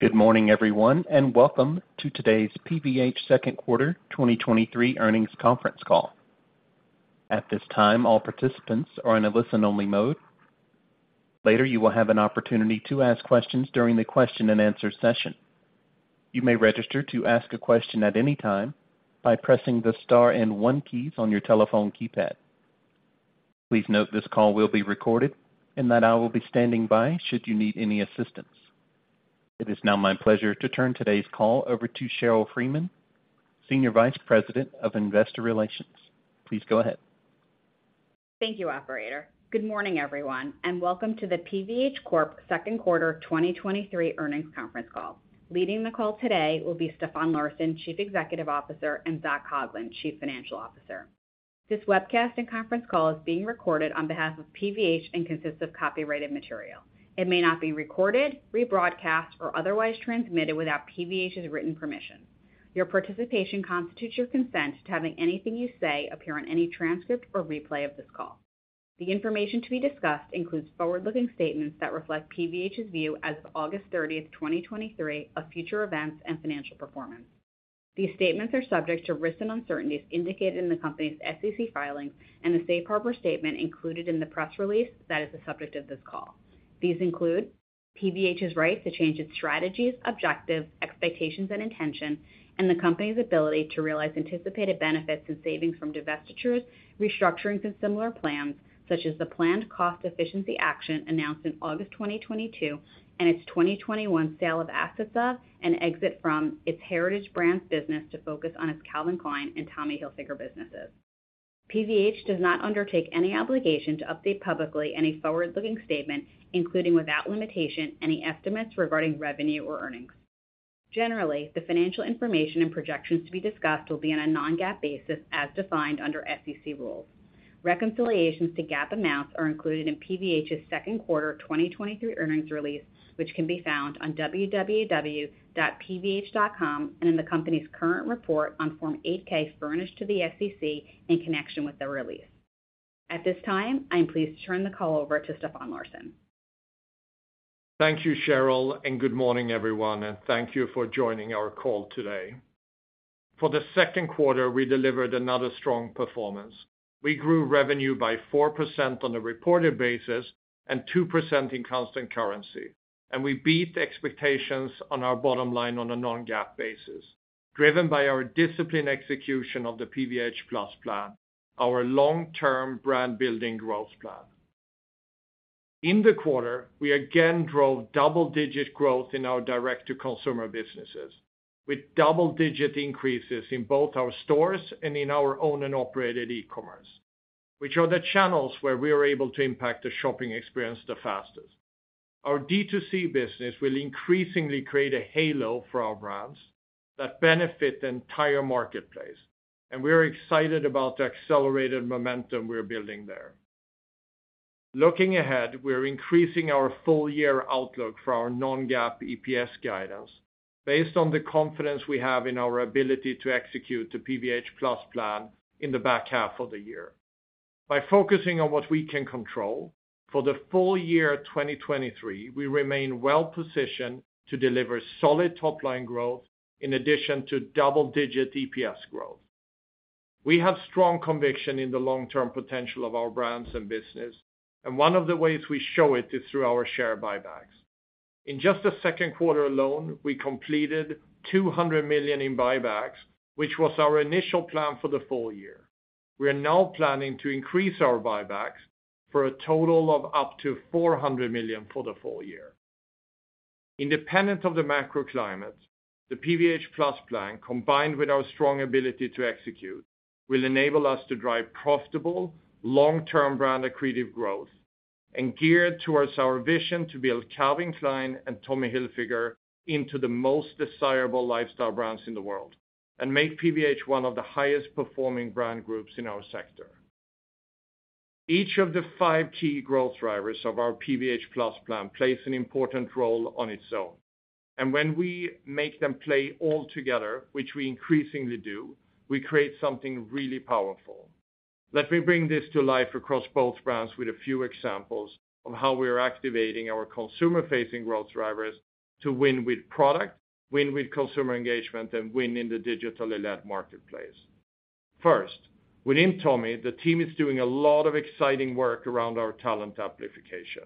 Good morning, everyone, and welcome to today's PVH second quarter 2023 earnings conference call. At this time, all participants are in a listen-only mode. Later, you will have an opportunity to ask questions during the question and answer session. You may register to ask a question at any time by pressing the star and one keys on your telephone keypad. Please note this call will be recorded and that I will be standing by should you need any assistance. It is now my pleasure to turn today's call over to Sheryl Freeman, Senior Vice President of Investor Relations. Please go ahead. Thank you, operator. Good morning, everyone, and welcome to the PVH Corp. second quarter 2023 earnings conference call. Leading the call today will be Stefan Larsson, Chief Executive Officer, and Zac Coughlin, Chief Financial Officer. This webcast and conference call is being recorded on behalf of PVH and consists of copyrighted material. It may not be recorded, rebroadcast, or otherwise transmitted without PVH's written permission. Your participation constitutes your consent to having anything you say appear on any transcript or replay of this call. The information to be discussed includes forward-looking statements that reflect PVH's view as of August 30, 2023, of future events and financial performance. These statements are subject to risks and uncertainties indicated in the company's SEC filings and the safe harbor statement included in the press release that is the subject of this call. These include PVH's right to change its strategies, objectives, expectations and intention, and the company's ability to realize anticipated benefits and savings from divestitures, restructurings, and similar plans, such as the planned cost efficiency action announced in August 2022, and its 2021 sale of its heritage brands business to focus on its Calvin Klein and Tommy Hilfiger businesses. PVH does not undertake any obligation to update publicly any forward-looking statement, including, without limitation, any estimates regarding revenue or earnings. Generally, the financial information and projections to be discussed will be on a non-GAAP basis as defined under SEC rules. Reconciliations to GAAP amounts are included in PVH's second quarter 2023 earnings release, which can be found on www.pvh.com and in the company's current report on Form 8-K furnished to the SEC in connection with the release. At this time, I am pleased to turn the call over to Stefan Larsson. Thank you, Sheryl, and good morning, everyone, and thank you for joining our call today. For the second quarter, we delivered another strong performance. We grew revenue by 4% on a reported basis and 2% in constant currency, and we beat expectations on our bottom line on a non-GAAP basis, driven by our disciplined execution of the PVH+ Plan, our long-term brand building growth plan. In the quarter, we again drove double-digit growth in our direct-to-consumer businesses, with double-digit increases in both our stores and in our own and operated e-commerce, which are the channels where we are able to impact the shopping experience the fastest. Our D2C business will increasingly create a halo for our brands that benefit the entire marketplace, and we are excited about the accelerated momentum we are building there. Looking ahead, we are increasing our full year outlook for our non-GAAP EPS guidance based on the confidence we have in our ability to execute the PVH+ Plan in the back half of the year. By focusing on what we can control for the full year 2023, we remain well positioned to deliver solid top-line growth in addition to double-digit EPS growth. We have strong conviction in the long-term potential of our brands and business, and one of the ways we show it is through our share buybacks. In just the second quarter alone, we completed $200 million in buybacks, which was our initial plan for the full year. We are now planning to increase our buybacks for a total of up to $400 million for the full year. Independent of the macro climate, the PVH+ Plan, combined with our strong ability to execute, will enable us to drive profitable, long-term brand accretive growth and geared towards our vision to build Calvin Klein and Tommy Hilfiger into the most desirable lifestyle brands in the world and make PVH one of the highest performing brand groups in our sector. Each of the five key growth drivers of our PVH+ Plan plays an important role on its own, and when we make them play all together, which we increasingly do, we create something really powerful. Let me bring this to life across both brands with a few examples of how we are activating our consumer-facing growth drivers to win with product, win with consumer engagement, and win in the digitally led marketplace. First, within Tommy, the team is doing a lot of exciting work around our talent amplification,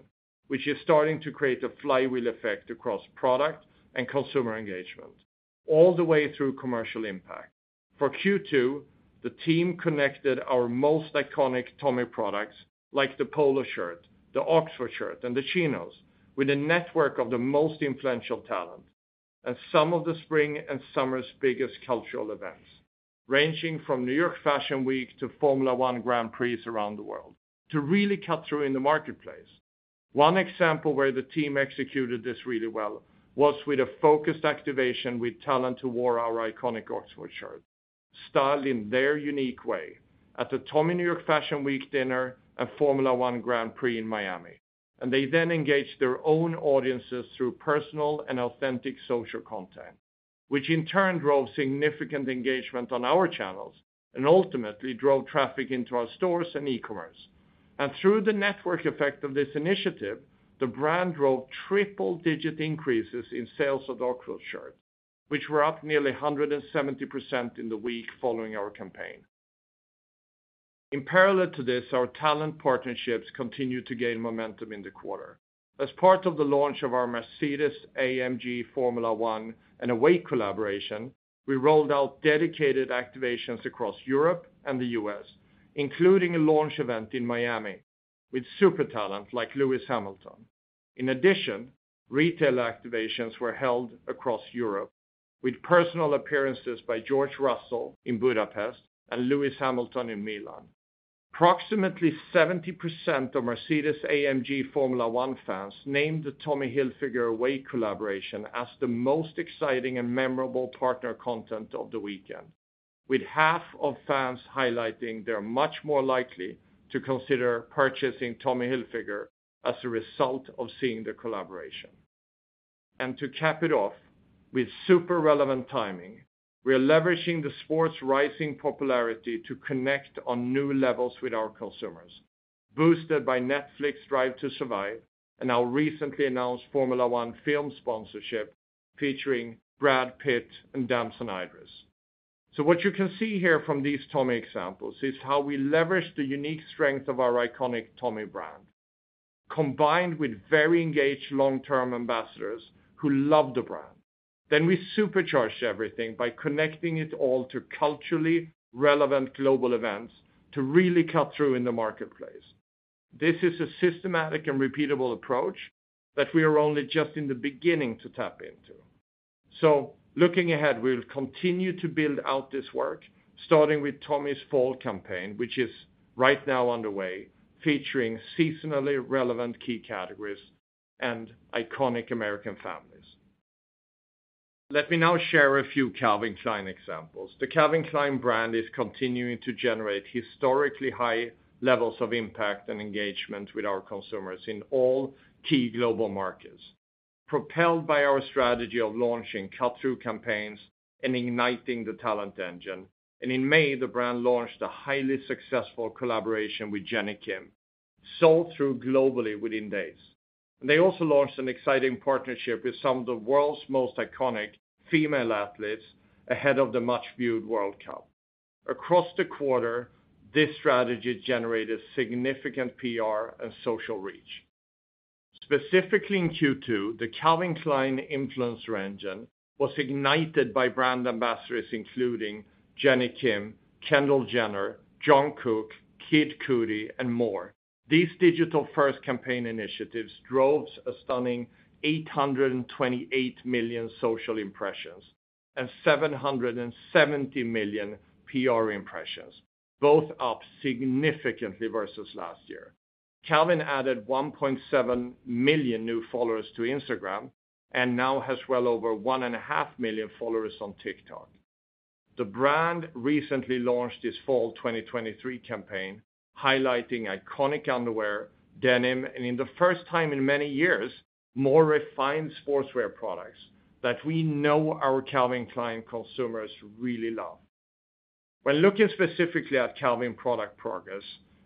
which is starting to create a flywheel effect across product and consumer engagement all the way through commercial impact. For Q2, the team connected our most iconic Tommy products, like the polo shirt, the Oxford shirt, and the chinos, with a network of the most influential talent and some of the spring and summer's biggest cultural events, ranging from New York Fashion Week to Formula One Grand Prix around the world to really cut through in the marketplace. One example where the team executed this really well was with a focused activation with talent who wore our iconic Oxford shirt, styled in their unique way at the Tommy New York Fashion Week dinner and Formula One Grand Prix in Miami. And they then engaged their own audiences through personal and authentic social content, which in turn drove significant engagement on our channels and ultimately drove traffic into our stores and e-commerce.... And through the network effect of this initiative, the brand drove triple-digit increases in sales of Oxford shirts, which were up nearly 170% in the week following our campaign. In parallel to this, our talent partnerships continued to gain momentum in the quarter. As part of the launch of our Mercedes-AMG Formula One and Awake collaboration, we rolled out dedicated activations across Europe and the U.S., including a launch event in Miami with super talent like Lewis Hamilton. In addition, retail activations were held across Europe, with personal appearances by George Russell in Budapest and Lewis Hamilton in Milan. Approximately 70% of Mercedes-AMG Formula One fans named the Tommy Hilfiger Awake collaboration as the most exciting and memorable partner content of the weekend, with half of fans highlighting they are much more likely to consider purchasing Tommy Hilfiger as a result of seeing the collaboration. To cap it off, with super relevant timing, we are leveraging the sport's rising popularity to connect on new levels with our consumers, boosted by Netflix's Drive to Survive and our recently announced Formula One film sponsorship featuring Brad Pitt and Damson Idris. What you can see here from these Tommy examples is how we leverage the unique strength of our iconic Tommy brand, combined with very engaged long-term ambassadors who love the brand. We supercharge everything by connecting it all to culturally relevant global events to really cut through in the marketplace. This is a systematic and repeatable approach that we are only just in the beginning to tap into. So looking ahead, we'll continue to build out this work, starting with Tommy's fall campaign, which is right now underway, featuring seasonally relevant key categories and iconic American families. Let me now share a few Calvin Klein examples. The Calvin Klein brand is continuing to generate historically high levels of impact and engagement with our consumers in all key global markets, propelled by our strategy of launching cut-through campaigns and igniting the talent engine. And in May, the brand launched a highly successful collaboration with Jennie Kim, sold through globally within days. They also launched an exciting partnership with some of the world's most iconic female athletes ahead of the much-viewed World Cup. Across the quarter, this strategy generated significant PR and social reach. Specifically in Q2, the Calvin Klein influencer engine was ignited by brand ambassadors including Jennie Kim, Kendall Jenner, Jungkook, Kid Cudi, and more. These digital-first campaign initiatives drove a stunning 828 million social impressions and 770 million PR impressions, both up significantly versus last year. Calvin added 1.7 million new followers to Instagram and now has well over 1.5 million followers on TikTok. The brand recently launched its fall 2023 campaign, highlighting iconic underwear, denim, and in the first time in many years, more refined sportswear products that we know our Calvin Klein consumers really love. When looking specifically at Calvin product progress,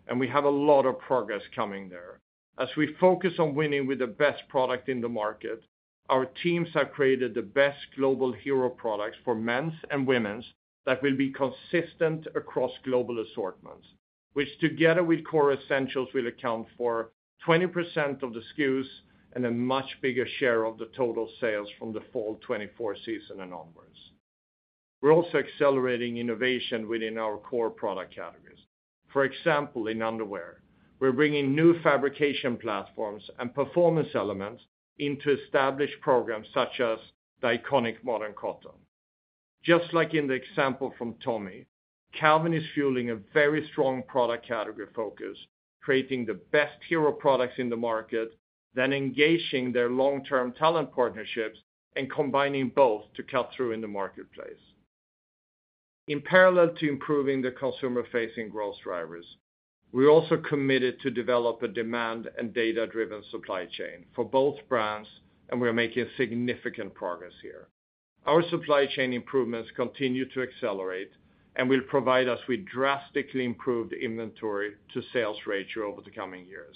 and we have a lot of progress coming there, as we focus on winning with the best product in the market, our teams have created the best global Hero Products for men's and women's that will be consistent across global assortments, which, together with core essentials, will account for 20% of the SKUs and a much bigger share of the total sales from the fall 2024 season and onwards. We're also accelerating innovation within our core product categories. For example, in underwear, we're bringing new fabrication platforms and performance elements into established programs such as the iconic Modern Cotton. Just like in the example from Tommy, Calvin is fueling a very strong product category focus, creating the best Hero Products in the market, then engaging their long-term talent partnerships and combining both to cut through in the marketplace. In parallel to improving the consumer-facing growth drivers, we're also committed to develop a demand and data-driven supply chain for both brands, and we are making significant progress here. Our supply chain improvements continue to accelerate and will provide us with drastically improved inventory-to-sales ratio over the coming years.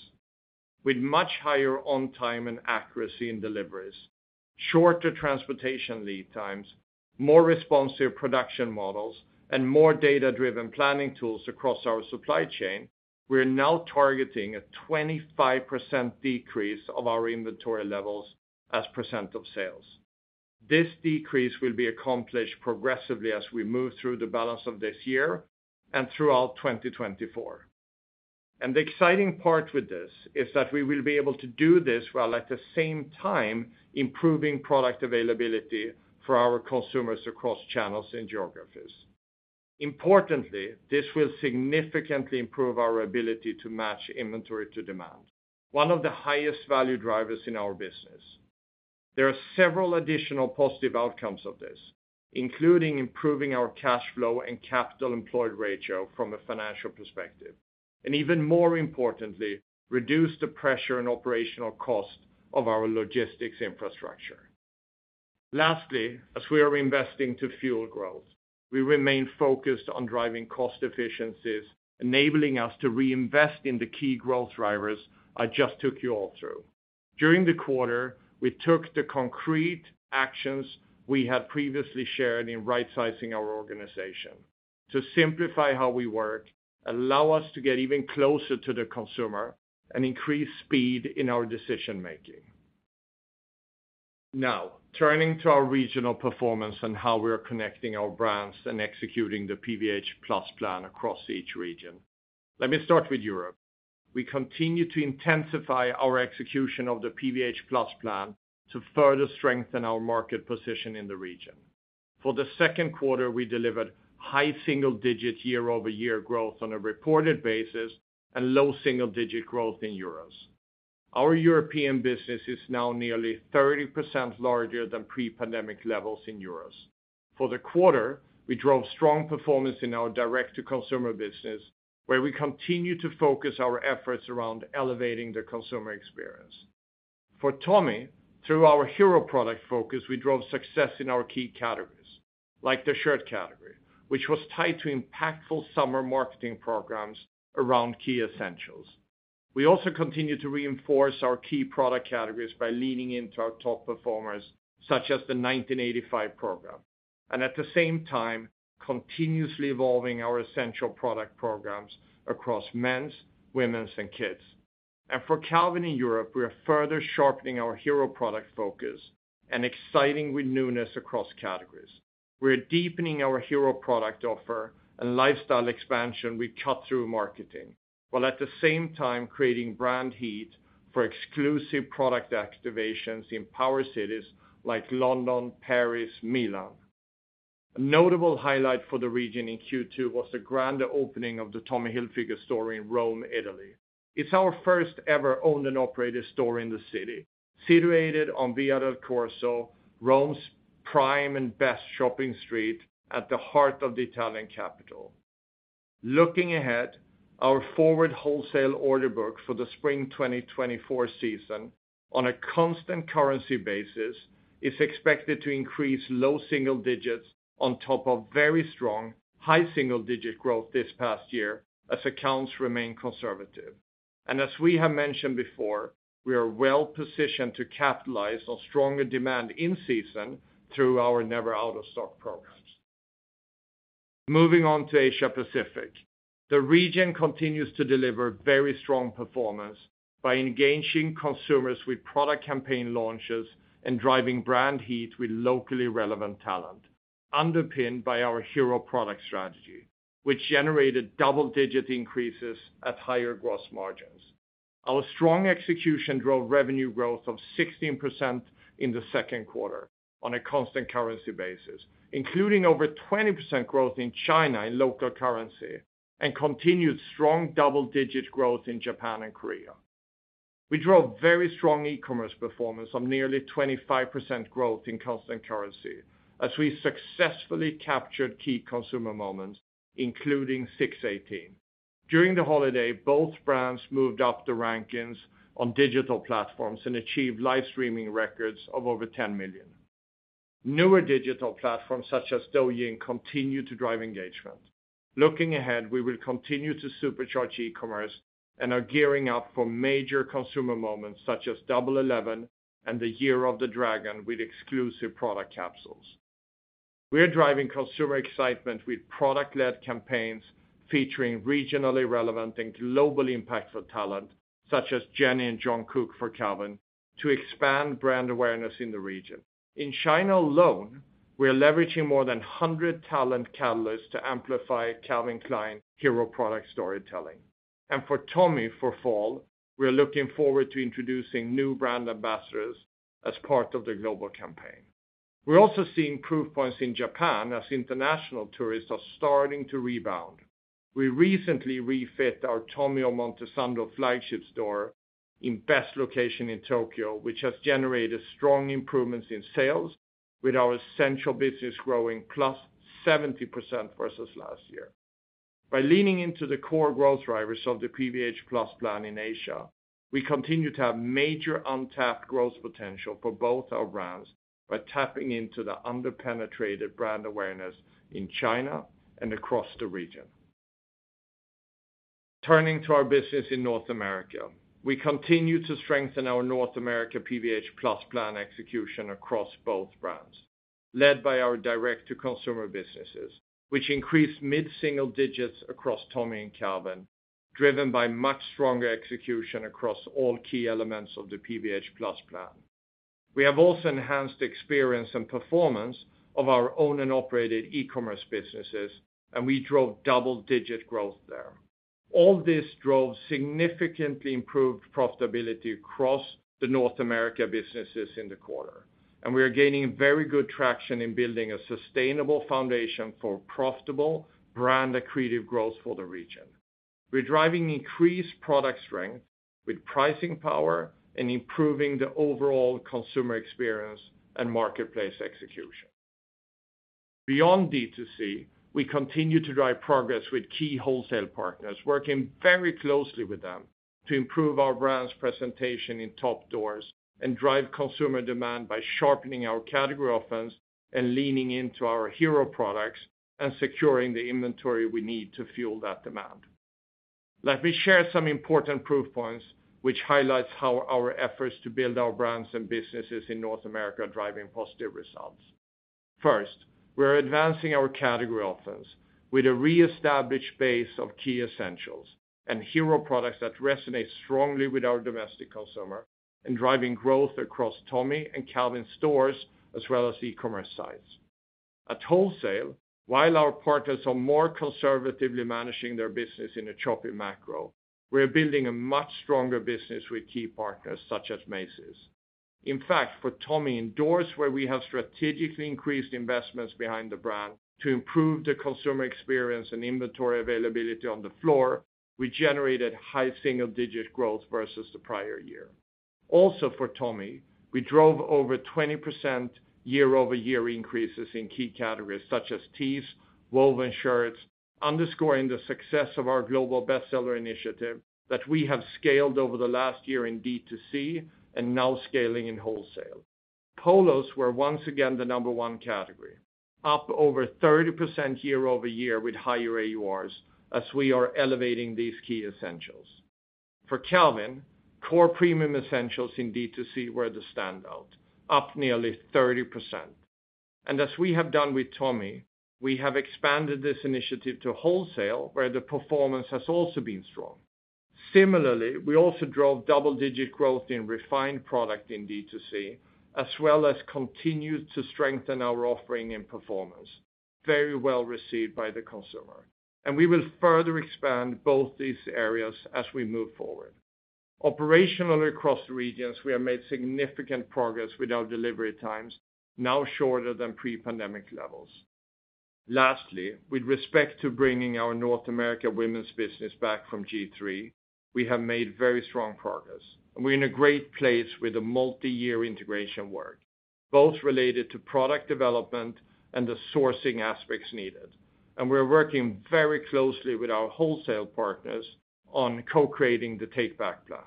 With much higher on-time and accuracy in deliveries, shorter transportation lead times, more responsive production models, and more data-driven planning tools across our supply chain, we are now targeting a 25% decrease of our inventory levels as percent of sales. This decrease will be accomplished progressively as we move through the balance of this year and throughout 2024. The exciting part with this is that we will be able to do this while at the same time improving product availability for our consumers across channels and geographies. Importantly, this will significantly improve our ability to match inventory to demand, one of the highest value drivers in our business. There are several additional positive outcomes of this, including improving our cash flow and capital employed ratio from a financial perspective, and even more importantly, reduce the pressure and operational cost of our logistics infrastructure.... Lastly, as we are investing to fuel growth, we remain focused on driving cost efficiencies, enabling us to reinvest in the key growth drivers I just took you all through. During the quarter, we took the concrete actions we had previously shared in rightsizing our organization to simplify how we work, allow us to get even closer to the consumer, and increase speed in our decision making. Now, turning to our regional performance and how we are connecting our brands and executing the PVH+ Plan across each region. Let me start with Europe. We continue to intensify our execution of the PVH+ Plan to further strengthen our market position in the region. For the second quarter, we delivered high single-digit year-over-year growth on a reported basis and low single-digit growth in euros. Our European business is now nearly 30% larger than pre-pandemic levels in euros. For the quarter, we drove strong performance in our direct-to-consumer business, where we continue to focus our efforts around elevating the consumer experience. For Tommy, through our hero product focus, we drove success in our key categories, like the shirt category, which was tied to impactful summer marketing programs around key essentials. We also continued to reinforce our key product categories by leaning into our top performers, such as the 1985 program, and at the same time, continuously evolving our essential product programs across men's, women's, and kids. For Calvin in Europe, we are further sharpening our hero product focus and exciting with newness across categories. We're deepening our hero product offer and lifestyle expansion with cut-through marketing, while at the same time, creating brand heat for exclusive product activations in power cities like London, Paris, Milan. A notable highlight for the region in Q2 was the grand opening of the Tommy Hilfiger store in Rome, Italy. It's our first ever owned and operated store in the city, situated on Via del Corso, Rome's prime and best shopping street at the heart of the Italian capital. Looking ahead, our forward wholesale order book for the spring 2024 season, on a constant currency basis, is expected to increase low single digits on top of very strong, high single-digit growth this past year, as accounts remain conservative. As we have mentioned before, we are well positioned to capitalize on stronger demand in season through our never out-of-stock programs. Moving on to Asia Pacific. The region continues to deliver very strong performance by engaging consumers with product campaign launches and driving brand heat with locally relevant talent, underpinned by our hero product strategy, which generated double-digit increases at higher gross margins. Our strong execution drove revenue growth of 16% in the second quarter on a constant currency basis, including over 20% growth in China in local currency, and continued strong double-digit growth in Japan and Korea. We drove very strong e-commerce performance of nearly 25% growth in constant currency as we successfully captured key consumer moments, including 618. During the holiday, both brands moved up the rankings on digital platforms and achieved live streaming records of over 10 million. Newer digital platforms, such as Douyin, continue to drive engagement. Looking ahead, we will continue to supercharge e-commerce and are gearing up for major consumer moments, such as Double Eleven and the Year of the Dragon, with exclusive product capsules. We are driving consumer excitement with product-led campaigns featuring regionally relevant and globally impactful talent, such as Jennie and Jungkook for Calvin, to expand brand awareness in the region. In China alone, we are leveraging more than 100 talent catalysts to amplify Calvin Klein hero product storytelling. For Tommy, for fall, we are looking forward to introducing new brand ambassadors as part of the global campaign. We're also seeing proof points in Japan as international tourists are starting to rebound. We recently refit our Tommy Omotesando flagship store in best location in Tokyo, which has generated strong improvements in sales, with our essential business growing +70% versus last year. By leaning into the core growth drivers of the PVH+ Plan in Asia, we continue to have major untapped growth potential for both our brands by tapping into the under-penetrated brand awareness in China and across the region. Turning to our business in North America, we continue to strengthen our North America PVH+ Plan execution across both brands, led by our direct-to-consumer businesses, which increased mid-single digits across Tommy and Calvin, driven by much stronger execution across all key elements of the PVH+ Plan. We have also enhanced experience and performance of our owned and operated e-commerce businesses, and we drove double-digit growth there. All this drove significantly improved profitability across the North America businesses in the quarter, and we are gaining very good traction in building a sustainable foundation for profitable, brand accretive growth for the region. We're driving increased product strength with pricing power and improving the overall consumer experience and marketplace execution.... Beyond D2C, we continue to drive progress with key wholesale partners, working very closely with them to improve our brand's presentation in top doors and drive consumer demand by sharpening our category offense and leaning into our hero products and securing the inventory we need to fuel that demand. Let me share some important proof points which highlights how our efforts to build our brands and businesses in North America are driving positive results. First, we are advancing our category offense with a reestablished base of key essentials and hero products that resonate strongly with our domestic consumer, and driving growth across Tommy and Calvin stores, as well as e-commerce sites. At wholesale, while our partners are more conservatively managing their business in a choppy macro, we are building a much stronger business with key partners such as Macy's. In fact, for Tommy, in doors where we have strategically increased investments behind the brand to improve the consumer experience and inventory availability on the floor, we generated high single-digit growth versus the prior year. Also, for Tommy, we drove over 20% year-over-year increases in key categories, such as tees, woven shirts, underscoring the success of our global bestseller initiative that we have scaled over the last year in D2C and now scaling in wholesale. Polos were once again the number one category, up over 30% year-over-year with higher AURs as we are elevating these key essentials. For Calvin, core premium essentials in D2C were the standout, up nearly 30%. As we have done with Tommy, we have expanded this initiative to wholesale, where the performance has also been strong. Similarly, we also drove double-digit growth in refined product in D2C, as well as continued to strengthen our offering and performance, very well received by the consumer, and we will further expand both these areas as we move forward. Operationally, across the regions, we have made significant progress with our delivery times, now shorter than pre-pandemic levels. Lastly, with respect to bringing our North America women's business back from G-III, we have made very strong progress, and we're in a great place with the multi-year integration work, both related to product development and the sourcing aspects needed. And we're working very closely with our wholesale partners on co-creating the takeback plan.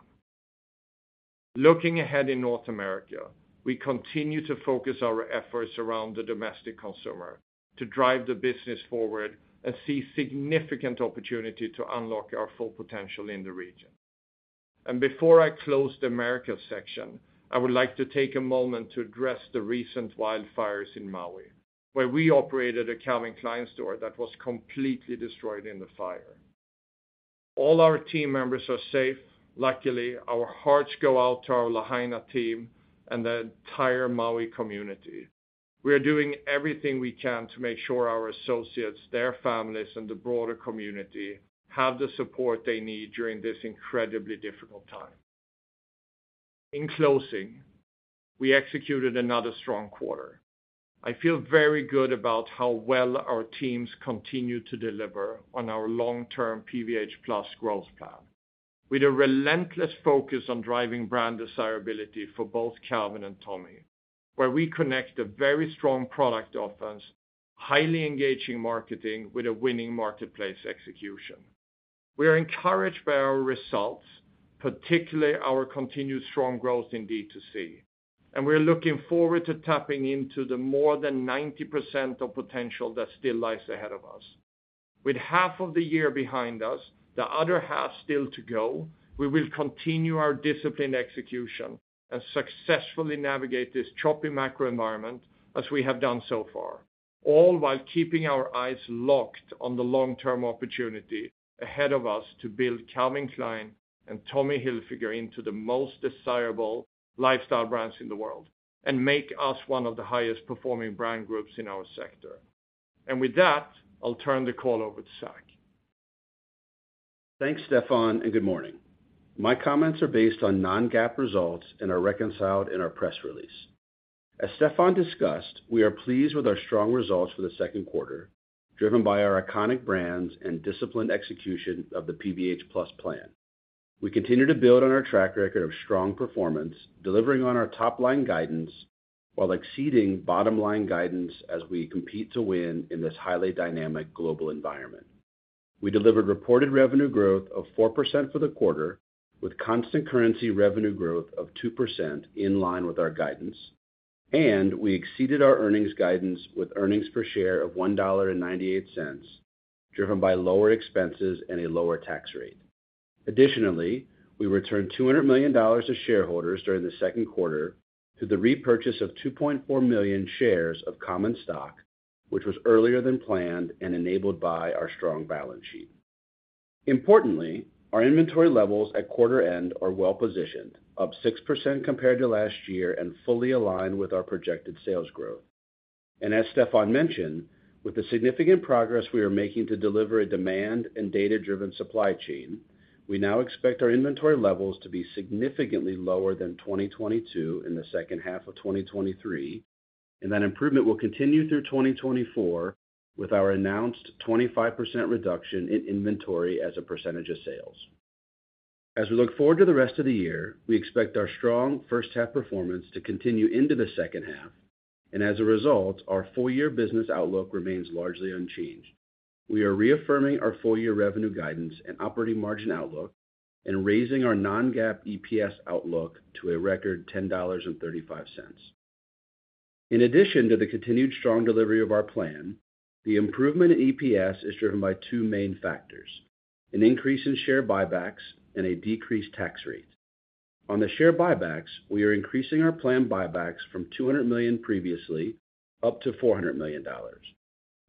Looking ahead in North America, we continue to focus our efforts around the domestic consumer to drive the business forward and see significant opportunity to unlock our full potential in the region. And before I close the Americas section, I would like to take a moment to address the recent wildfires in Maui, where we operated a Calvin Klein store that was completely destroyed in the fire. All our team members are safe. Luckily, our hearts go out to our Lahaina team and the entire Maui community. We are doing everything we can to make sure our associates, their families, and the broader community have the support they need during this incredibly difficult time. In closing, we executed another strong quarter. I feel very good about how well our teams continue to deliver on our long-term PVH+ Plan, with a relentless focus on driving brand desirability for both Calvin and Tommy, where we connect a very strong product offense, highly engaging marketing with a winning marketplace execution. We are encouraged by our results, particularly our continued strong growth in D2C, and we are looking forward to tapping into the more than 90% of potential that still lies ahead of us. With half of the year behind us, the other half still to go, we will continue our disciplined execution and successfully navigate this choppy macro environment as we have done so far, all while keeping our eyes locked on the long-term opportunity ahead of us to build Calvin Klein and Tommy Hilfiger into the most desirable lifestyle brands in the world and make us one of the highest performing brand groups in our sector. And with that, I'll turn the call over to Zac. Thanks, Stefan, and good morning. My comments are based on non-GAAP results and are reconciled in our press release. As Stefan discussed, we are pleased with our strong results for the second quarter, driven by our iconic brands and disciplined execution of the PVH Plus plan. We continue to build on our track record of strong performance, delivering on our top-line guidance while exceeding bottom-line guidance as we compete to win in this highly dynamic global environment. We delivered reported revenue growth of 4% for the quarter, with constant currency revenue growth of 2% in line with our guidance, and we exceeded our earnings guidance with earnings per share of $1.98, driven by lower expenses and a lower tax rate. Additionally, we returned $200 million to shareholders during the second quarter through the repurchase of 2.4 million shares of common stock, which was earlier than planned and enabled by our strong balance sheet. Importantly, our inventory levels at quarter end are well positioned, up 6% compared to last year and fully aligned with our projected sales growth. As Stefan mentioned, with the significant progress we are making to deliver a demand and data-driven supply chain, we now expect our inventory levels to be significantly lower than 2022 in the second half of 2023, and that improvement will continue through 2024, with our announced 25% reduction in inventory as a percentage of sales. As we look forward to the rest of the year, we expect our strong first half performance to continue into the second half, and as a result, our full year business outlook remains largely unchanged. We are reaffirming our full-year revenue guidance and operating margin outlook and raising our non-GAAP EPS outlook to a record $10.35. In addition to the continued strong delivery of our plan, the improvement in EPS is driven by two main factors: an increase in share buybacks and a decreased tax rate. On the share buybacks, we are increasing our planned buybacks from $200 million previously, up to $400 million.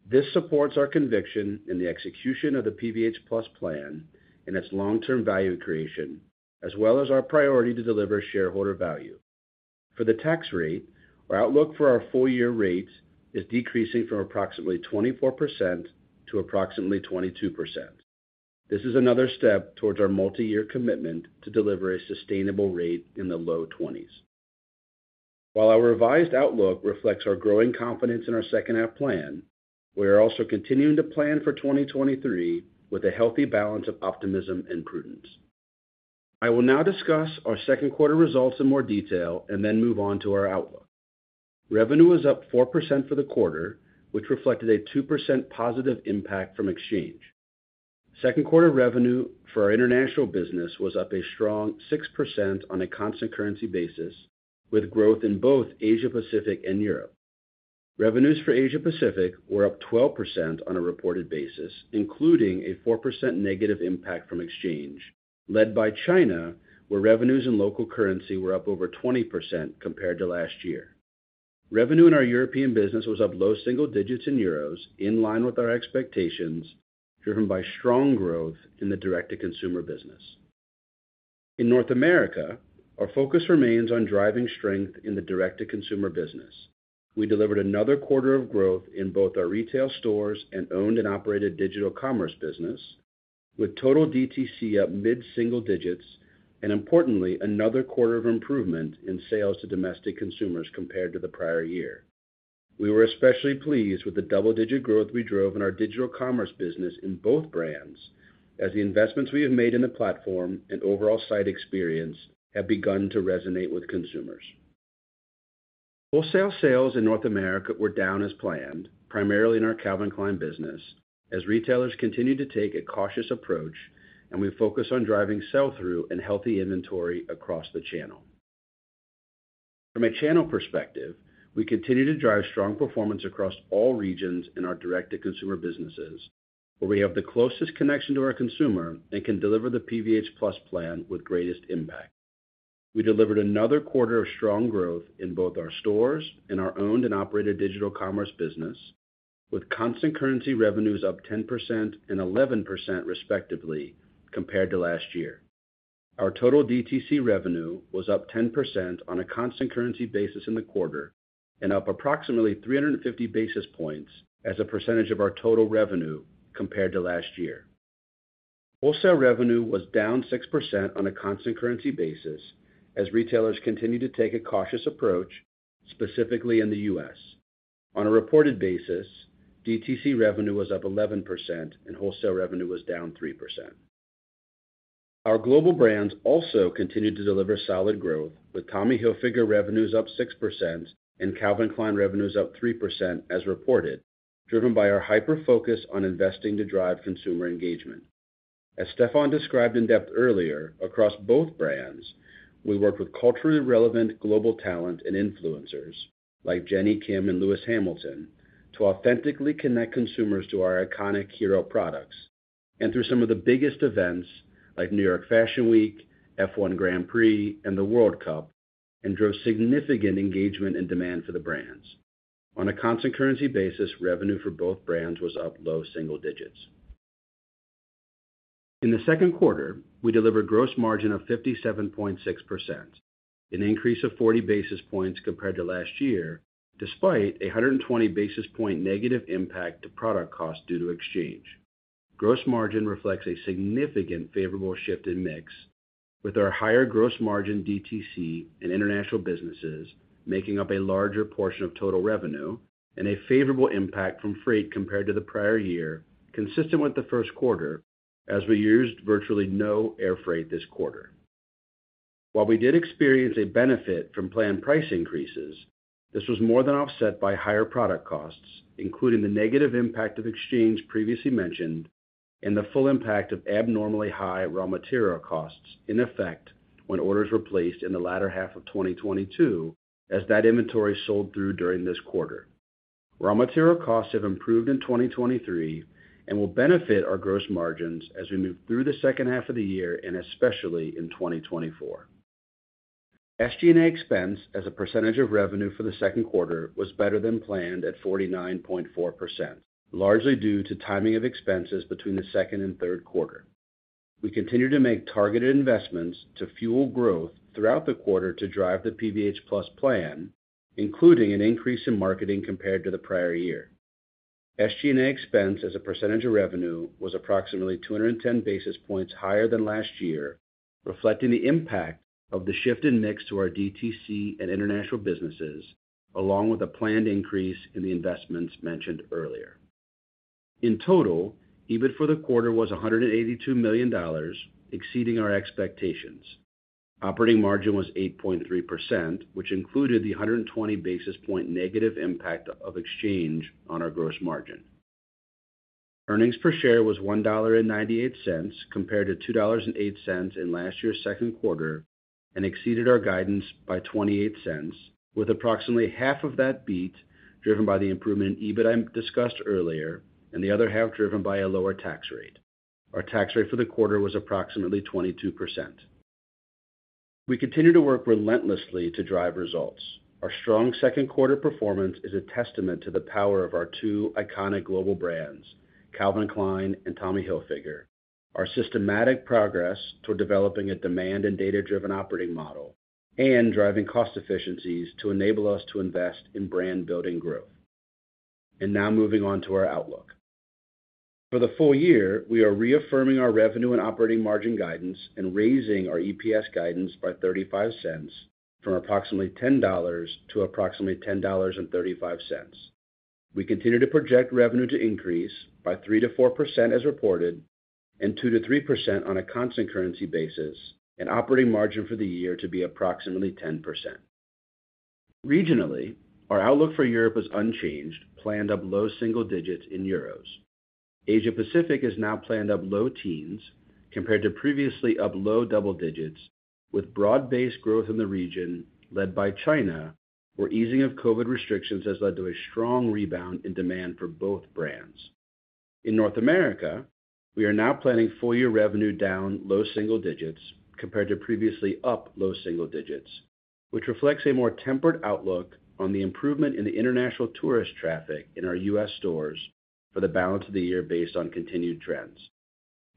This supports our conviction in the execution of the PVH+ Plan and its long-term value creation, as well as our priority to deliver shareholder value. For the tax rate, our outlook for our full-year rate is decreasing from approximately 24% to approximately 22%. This is another step towards our multi-year commitment to deliver a sustainable rate in the low twenties. While our revised outlook reflects our growing confidence in our second half plan, we are also continuing to plan for 2023 with a healthy balance of optimism and prudence. I will now discuss our second quarter results in more detail and then move on to our outlook. Revenue was up 4% for the quarter, which reflected a 2% positive impact from exchange. Second quarter revenue for our international business was up a strong 6% on a constant currency basis, with growth in both Asia-Pacific and Europe. Revenues for Asia-Pacific were up 12% on a reported basis, including a 4% negative impact from exchange, led by China, where revenues and local currency were up over 20% compared to last year. Revenue in our European business was up low single digits in euros, in line with our expectations, driven by strong growth in the direct-to-consumer business. In North America, our focus remains on driving strength in the direct-to-consumer business. We delivered another quarter of growth in both our retail stores and owned and operated digital commerce business, with total DTC up mid-single digits, and importantly, another quarter of improvement in sales to domestic consumers compared to the prior year. We were especially pleased with the double-digit growth we drove in our digital commerce business in both brands, as the investments we have made in the platform and overall site experience have begun to resonate with consumers. Wholesale sales in North America were down as planned, primarily in our Calvin Klein business, as retailers continued to take a cautious approach, and we focus on driving sell-through and healthy inventory across the channel. From a channel perspective, we continue to drive strong performance across all regions in our direct-to-consumer businesses, where we have the closest connection to our consumer and can deliver the PVH+ Plan with greatest impact. We delivered another quarter of strong growth in both our stores and our owned and operated digital commerce business, with constant currency revenues up 10% and 11%, respectively, compared to last year. Our total DTC revenue was up 10% on a constant currency basis in the quarter and up approximately 350 basis points as a percentage of our total revenue compared to last year. Wholesale revenue was down 6% on a constant currency basis as retailers continued to take a cautious approach, specifically in the U.S. On a reported basis, DTC revenue was up 11% and wholesale revenue was down 3%. Our global brands also continued to deliver solid growth, with Tommy Hilfiger revenues up 6% and Calvin Klein revenues up 3%, as reported, driven by our hyper-focus on investing to drive consumer engagement. As Stefan described in depth earlier, across both brands, we work with culturally relevant global talent and influencers like Jennie Kim and Lewis Hamilton, to authentically connect consumers to our iconic hero products, and through some of the biggest events like New York Fashion Week, F1 Grand Prix, and the World Cup, and drove significant engagement and demand for the brands. On a constant currency basis, revenue for both brands was up low single digits. In the second quarter, we delivered gross margin of 57.6%, an increase of 40 basis points compared to last year, despite a 120 basis point negative impact to product cost due to exchange. Gross margin reflects a significant favorable shift in mix with our higher gross margin DTC and international businesses, making up a larger portion of total revenue and a favorable impact from freight compared to the prior year, consistent with the first quarter, as we used virtually no air freight this quarter. While we did experience a benefit from planned price increases, this was more than offset by higher product costs, including the negative impact of exchange previously mentioned and the full impact of abnormally high raw material costs in effect when orders were placed in the latter half of 2022, as that inventory sold through during this quarter. Raw material costs have improved in 2023 and will benefit our gross margins as we move through the second half of the year and especially in 2024. SG&A expense as a percentage of revenue for the second quarter was better than planned at 49.4%, largely due to timing of expenses between the second and third quarter. We continue to make targeted investments to fuel growth throughout the quarter to drive the PVH+ Plan, including an increase in marketing compared to the prior year. SG&A expense as a percentage of revenue was approximately 210 basis points higher than last year, reflecting the impact of the shift in mix to our DTC and international businesses, along with a planned increase in the investments mentioned earlier. In total, EBIT for the quarter was $182 million, exceeding our expectations. Operating margin was 8.3%, which included the 120 basis point negative impact of exchange on our gross margin. Earnings per share was $1.98, compared to $2.08 in last year's second quarter, and exceeded our guidance by $0.28, with approximately half of that beat driven by the improvement in EBIT I discussed earlier, and the other half driven by a lower tax rate. Our tax rate for the quarter was approximately 22%. We continue to work relentlessly to drive results. Our strong second quarter performance is a testament to the power of our two iconic global brands, Calvin Klein and Tommy Hilfiger. Our systematic progress toward developing a demand and data-driven operating model and driving cost efficiencies to enable us to invest in brand-building growth. Now moving on to our outlook. For the full year, we are reaffirming our revenue and operating margin guidance and raising our EPS guidance by 35 cents, from approximately $10 to approximately $10.35. We continue to project revenue to increase by 3%-4% as reported, and 2%-3% on a constant currency basis, and operating margin for the year to be approximately 10%. Regionally, our outlook for Europe is unchanged, planned up low single digits in euros. Asia Pacific is now planned up low teens compared to previously up low double digits, with broad-based growth in the region led by China, where easing of COVID restrictions has led to a strong rebound in demand for both brands. In North America, we are now planning full-year revenue down low single digits compared to previously up low single digits, which reflects a more tempered outlook on the improvement in the international tourist traffic in our U.S. stores for the balance of the year based on continued trends.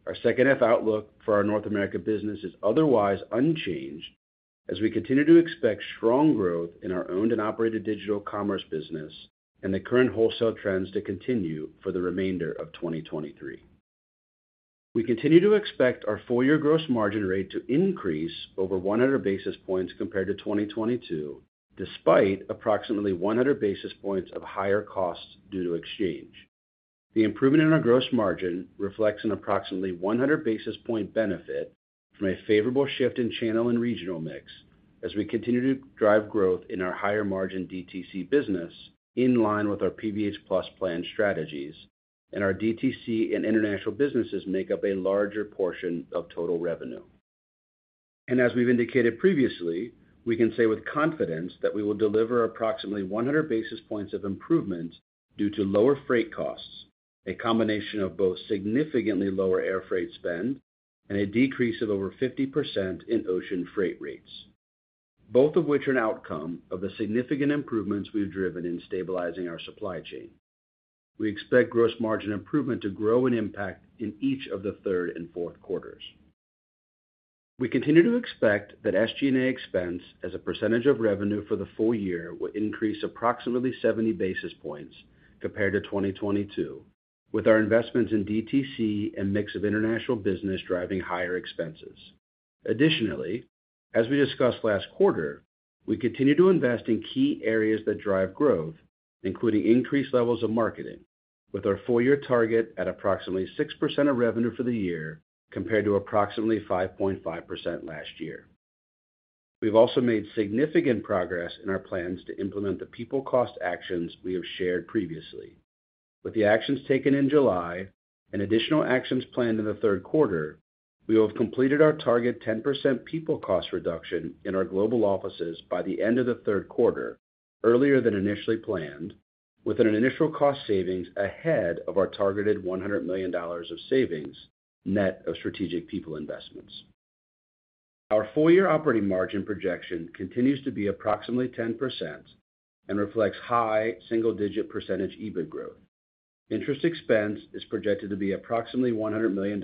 Our second half outlook for our North America business is otherwise unchanged, as we continue to expect strong growth in our owned and operated digital commerce business and the current wholesale trends to continue for the remainder of 2023. We continue to expect our full-year gross margin rate to increase over 100 basis points compared to 2022, despite approximately 100 basis points of higher costs due to exchange. The improvement in our gross margin reflects an approximately 100 basis point benefit from a favorable shift in channel and regional mix as we continue to drive growth in our higher-margin DTC business, in line with our PVH Plus plan strategies, and our DTC and international businesses make up a larger portion of total revenue. We've indicated previously, we can say with confidence that we will deliver approximately 100 basis points of improvement due to lower freight costs, a combination of both significantly lower air freight spend, and a decrease of over 50% in ocean freight rates, both of which are an outcome of the significant improvements we've driven in stabilizing our supply chain. We expect gross margin improvement to grow and impact in each of the third and fourth quarters. We continue to expect that SG&A expense as a percentage of revenue for the full year will increase approximately 70 basis points compared to 2022, with our investments in DTC and mix of international business driving higher expenses. Additionally, as we discussed last quarter, we continue to invest in key areas that drive growth, including increased levels of marketing, with our full-year target at approximately 6% of revenue for the year, compared to approximately 5.5% last year. We've also made significant progress in our plans to implement the people cost actions we have shared previously. With the actions taken in July and additional actions planned in the third quarter, we will have completed our target 10% people cost reduction in our global offices by the end of the third quarter, earlier than initially planned, with an initial cost savings ahead of our targeted $100 million of savings net of strategic people investments. Our full-year operating margin projection continues to be approximately 10% and reflects high single-digit % EBIT growth. Interest expense is projected to be approximately $100 million,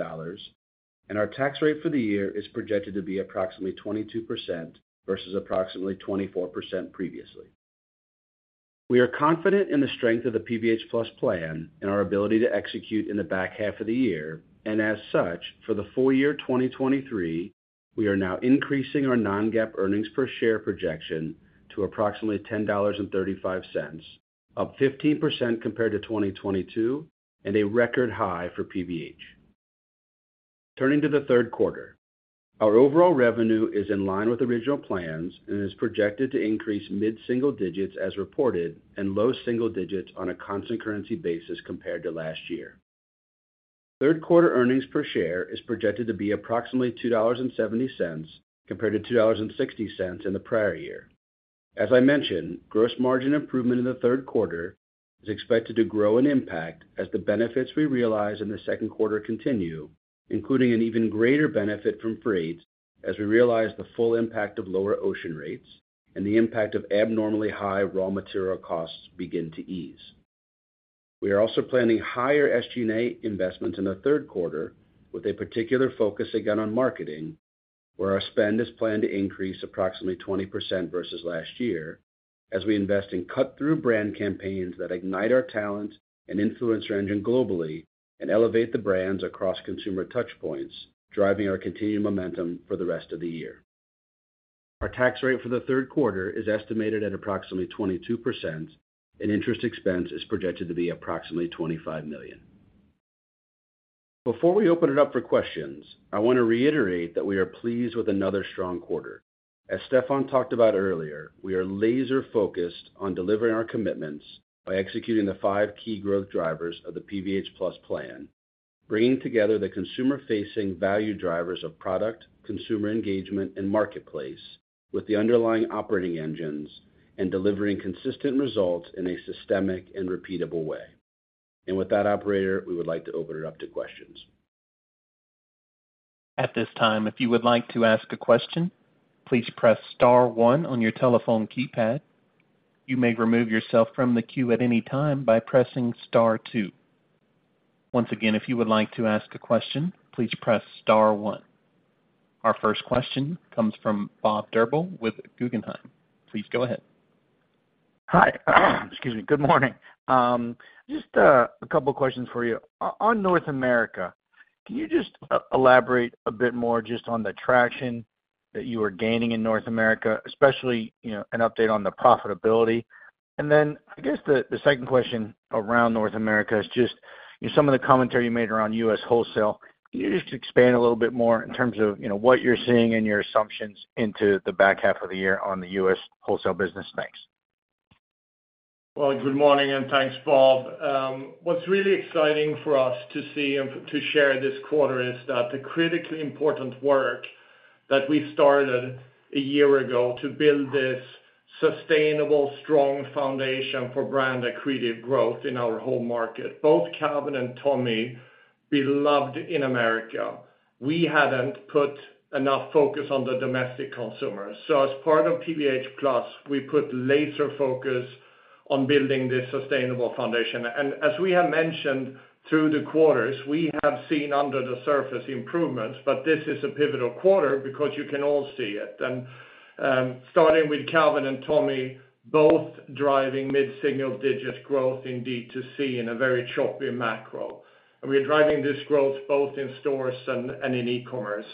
and our tax rate for the year is projected to be approximately 22% versus approximately 24% previously. We are confident in the strength of the PVH Plus plan and our ability to execute in the back half of the year, and as such, for the full year 2023, we are now increasing our non-GAAP earnings per share projection to approximately $10.35, up 15% compared to 2022, and a record high for PVH. Turning to the third quarter. Our overall revenue is in line with original plans and is projected to increase mid-single digits as reported and low single digits on a constant currency basis compared to last year. Third quarter earnings per share is projected to be approximately $2.70, compared to $2.60 in the prior year. As I mentioned, gross margin improvement in the third quarter is expected to grow and impact as the benefits we realize in the second quarter continue, including an even greater benefit from freight as we realize the full impact of lower ocean rates and the impact of abnormally high raw material costs begin to ease. We are also planning higher SG&A investments in the third quarter, with a particular focus again on marketing, where our spend is planned to increase approximately 20% versus last year, as we invest in cut-through brand campaigns that ignite our talent and influencer engine globally and elevate the brands across consumer touchpoints, driving our continued momentum for the rest of the year. Our tax rate for the third quarter is estimated at approximately 22%, and interest expense is projected to be approximately $25 million. Before we open it up for questions, I want to reiterate that we are pleased with another strong quarter. As Stefan talked about earlier, we are laser-focused on delivering our commitments by executing the five key growth drivers of the PVH+ Plan, bringing together the consumer-facing value drivers of product, consumer engagement, and marketplace, with the underlying operating engines, and delivering consistent results in a systemic and repeatable way. With that, operator, we would like to open it up to questions. At this time, if you would like to ask a question, please press star one on your telephone keypad. You may remove yourself from the queue at any time by pressing star two. Once again, if you would like to ask a question, please press star one. Our first question comes from Bob Drbul with Guggenheim. Please go ahead. Hi. Excuse me. Good morning. Just a couple of questions for you. On North America, can you just elaborate a bit more just on the traction that you are gaining in North America, especially, you know, an update on the profitability? And then, I guess, the second question around North America is just, you know, some of the commentary you made around U.S. wholesale. Can you just expand a little bit more in terms of, you know, what you're seeing and your assumptions into the back half of the year on the U.S. wholesale business? Thanks. Well, good morning, and thanks, Bob. What's really exciting for us to see and to share this quarter is that the critically important work that we started a year ago to build this sustainable, strong foundation for brand accretive growth in our home market, both Calvin and Tommy, beloved in America. We hadn't put enough focus on the domestic consumer. So as part of PVH Plus, we put laser focus on building this sustainable foundation. And as we have mentioned through the quarters, we have seen under the surface improvements, but this is a pivotal quarter because you can all see it. And starting with Calvin and Tommy, both driving mid-single-digit growth in D2C in a very choppy macro. And we are driving this growth both in stores and in e-commerce.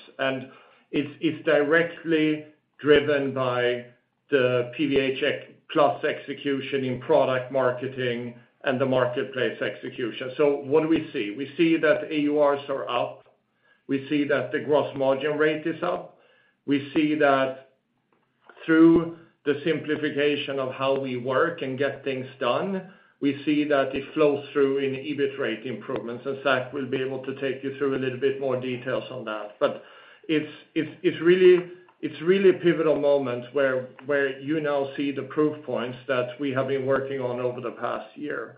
It's directly driven by the PVH+ Plan execution in product marketing and the marketplace execution. So what do we see? We see that AURs are up, we see that the gross margin rate is up, we see that through the simplification of how we work and get things done, we see that it flows through in EBIT rate improvements, and Zac will be able to take you through a little bit more details on that. But it's really a pivotal moment where you now see the proof points that we have been working on over the past year.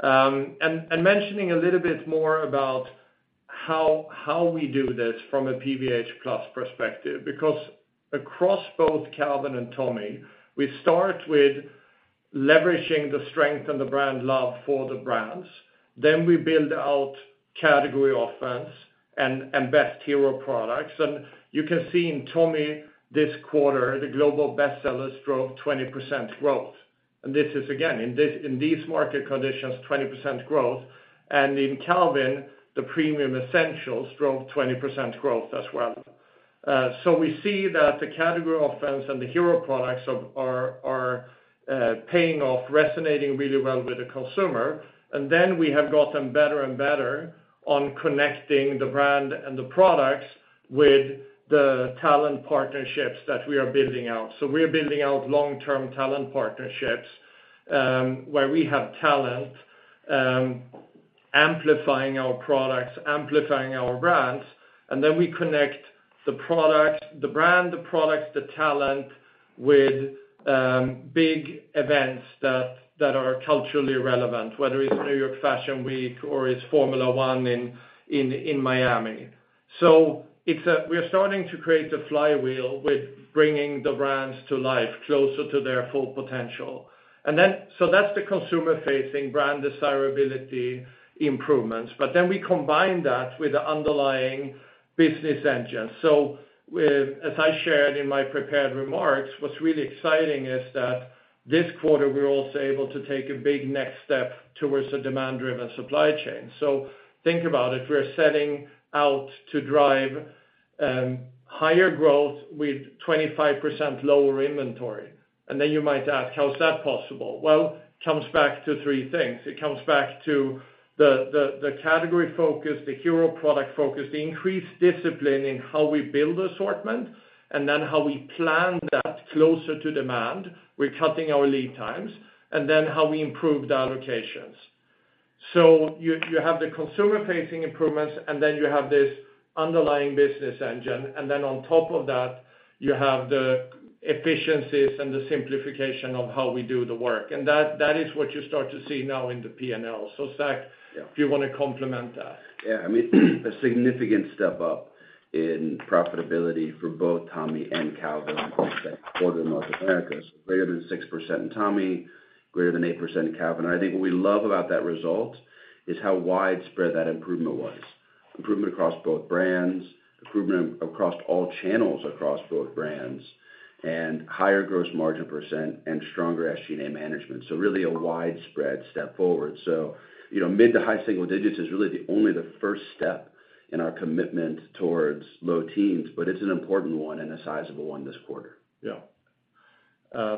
And mentioning a little bit more about how we do this from a PVH+ Plan perspective, because across both Calvin and Tommy, we start with leveraging the strength and the brand love for the brands. Then we build out category offense and best hero products. And you can see in Tommy this quarter, the global bestsellers drove 20% growth. And this is, again, in this, in these market conditions, 20% growth. And in Calvin, the premium essentials drove 20% growth as well. So we see that the category offense and the hero products are paying off, resonating really well with the consumer. And then we have gotten better and better on connecting the brand and the products with the talent partnerships that we are building out. So we are building out long-term talent partnerships, where we have talent amplifying our products, amplifying our brands, and then we connect the product, the brand, the products, the talent with big events that, that are culturally relevant, whether it's New York Fashion Week or it's Formula One in, in, in Miami. So it's a we are starting to create the flywheel with bringing the brands to life, closer to their full potential. And then, so that's the consumer-facing brand desirability improvements. But then we combine that with the underlying business engine. So with, as I shared in my prepared remarks, what's really exciting is that this quarter, we're also able to take a big next step towards a demand-driven supply chain. So think about it, we're setting out to drive higher growth with 25% lower inventory. And then you might ask: How is that possible? Well, it comes back to three things. It comes back to the category focus, the hero product focus, the increased discipline in how we build assortment, and then how we plan that closer to demand. We're cutting our lead times, and then how we improve the allocations. So you have the consumer-facing improvements, and then you have this underlying business engine, and then on top of that, you have the efficiencies and the simplification of how we do the work. And that is what you start to see now in the P&L. So, Zac, if you want to complement that. Yeah, I mean, a significant step up in profitability for both Tommy and Calvin for the North America, greater than 6% in Tommy, greater than 8% in Calvin. I think what we love about that result is how widespread that improvement was. Improvement across both brands, improvement across all channels, across both brands, and higher gross margin percent and stronger SG&A management. So really a widespread step forward. So, you know, mid to high single digits is really the first step in our commitment towards low teens, but it's an important one and a sizable one this quarter. Yeah.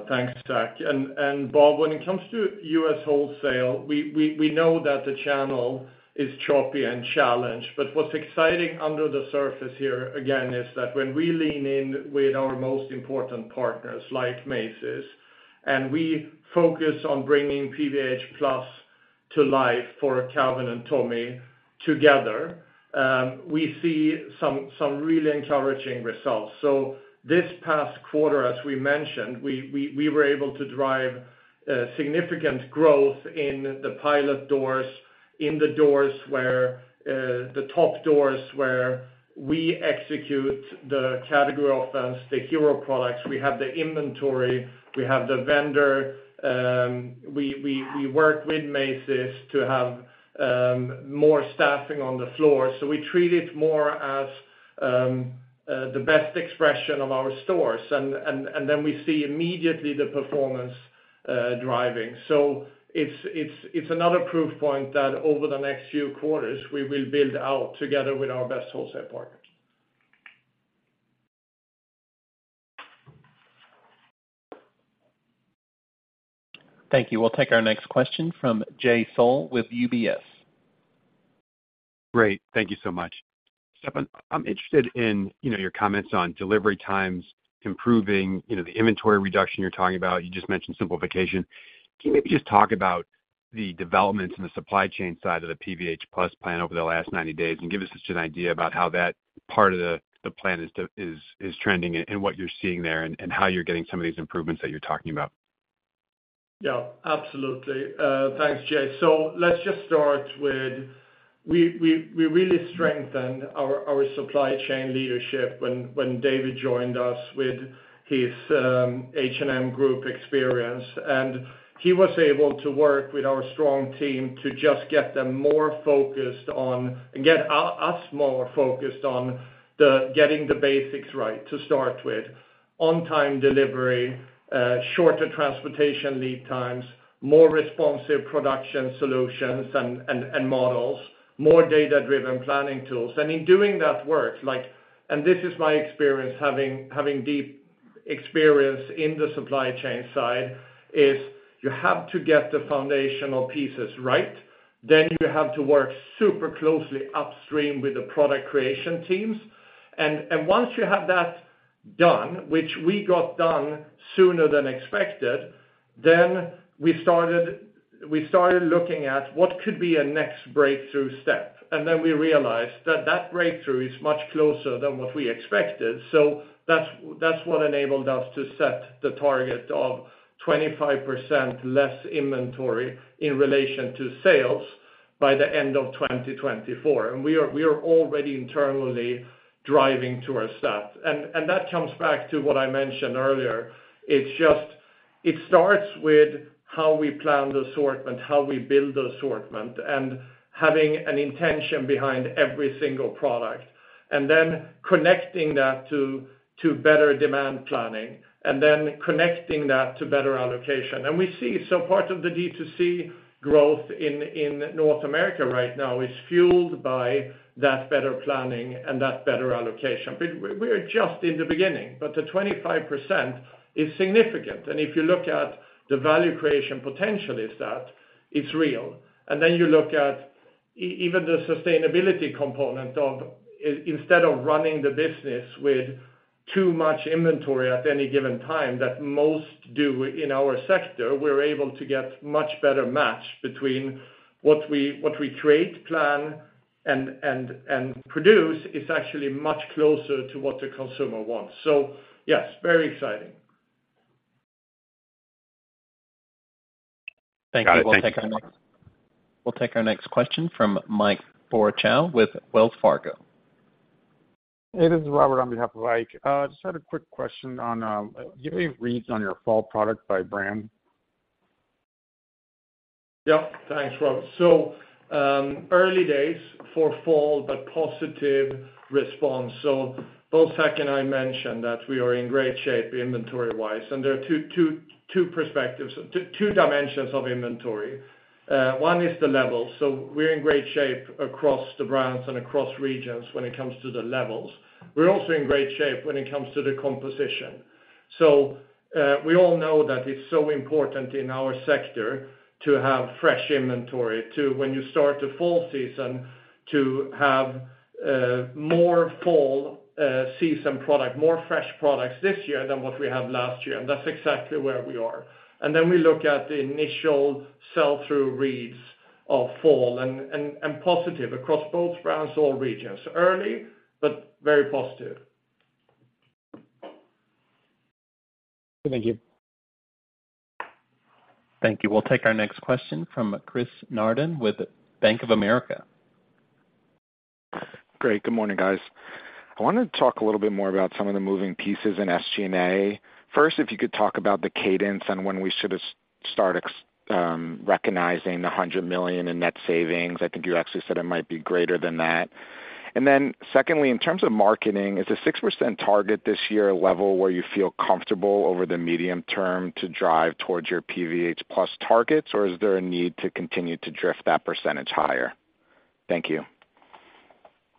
Thanks, Zac. And Bob, when it comes to U.S. wholesale, we know that the channel is choppy and challenged, but what's exciting under the surface here, again, is that when we lean in with our most important partners, like Macy's, and we focus on bringing PVH Plus to life for Calvin and Tommy together, we see some really encouraging results. So this past quarter, as we mentioned, we were able to drive significant growth in the pilot doors, in the doors where the top doors where we execute the category offense, the hero products. We have the inventory, we have the vendor, we work with Macy's to have more staffing on the floor. So we treat it more as the best expression of our stores, and then we see immediately the performance driving. So it's another proof point that over the next few quarters, we will build out together with our best wholesale partners. Thank you. We'll take our next question from Jay Sole with UBS. Great. Thank you so much. Stefan, I'm interested in, you know, your comments on delivery times, improving, you know, the inventory reduction you're talking about. You just mentioned simplification. Can you maybe just talk about the developments in the supply chain side of the PVH+ Plan over the last 90 days, and give us just an idea about how that part of the plan is trending and what you're seeing there, and how you're getting some of these improvements that you're talking about? Yeah, absolutely. Thanks, Jay. So let's just start with we really strengthened our supply chain leadership when David joined us with his H&M Group experience. And he was able to work with our strong team to just get us more focused on getting the basics right to start with: on-time delivery, shorter transportation lead times, more responsive production solutions and models, more data-driven planning tools. And in doing that work, and this is my experience, having deep experience in the supply chain side, is you have to get the foundational pieces right, then you have to work super closely upstream with the product creation teams. Once you have that done, which we got done sooner than expected, then we started looking at what could be a next breakthrough step. Then we realized that breakthrough is much closer than what we expected. So that's what enabled us to set the target of 25% less inventory in relation to sales by the end of 2024. And we are already internally driving to our stat. And that comes back to what I mentioned earlier. It's just... It starts with how we plan the assortment, how we build the assortment, and having an intention behind every single product, and then connecting that to better demand planning, and then connecting that to better allocation. And we see, so part of the D2C growth in North America right now is fueled by that better planning and that better allocation. But we are just in the beginning, but the 25% is significant. And if you look at the value creation potential is that, it's real. And then you look at even the sustainability component of instead of running the business with too much inventory at any given time, that most do in our sector, we're able to get much better match between what we create, plan, and produce, is actually much closer to what the consumer wants. So yes, very exciting. Thank you. We'll take our next- Got it, thank you. We'll take our next question from Ike Borchow with Wells Fargo. Hey, this is Robert on behalf of Ike. I just had a quick question on, do you have any reads on your fall product by brand? Yeah, thanks, Rob. So, early days for fall, but positive response. So both Zac and I mentioned that we are in great shape inventory wise, and there are two, two, two perspectives, two, two dimensions of inventory. One is the level. So we're in great shape across the brands and across regions when it comes to the levels. We're also in great shape when it comes to the composition. So, we all know that it's so important in our sector to have fresh inventory to, when you start the fall season, to have, more fall season product, more fresh products this year than what we had last year. And that's exactly where we are. And then we look at the initial sell-through reads of fall, and positive across both brands, all regions. Early, but very positive. Thank you. Thank you. We'll take our next question from Chris Nardone with Bank of America. Great. Good morning, guys. I wanted to talk a little bit more about some of the moving pieces in SG&A. First, if you could talk about the cadence and when we should ex-... start recognizing the $100 million in net savings? I think you actually said it might be greater than that. And then secondly, in terms of marketing, is the 6% target this year a level where you feel comfortable over the medium term to drive towards your PVH Plus targets, or is there a need to continue to drift that percentage higher? Thank you.